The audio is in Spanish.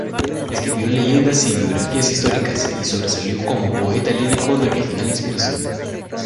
Escribió leyendas y biografías históricas, y sobresalió como poeta lírico de original inspiración.